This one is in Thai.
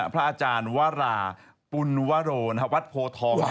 พระอาจารย์วราปุณวโรณวัดโพทอง